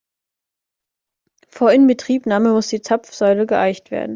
Vor Inbetriebnahme muss die Zapfsäule geeicht werden.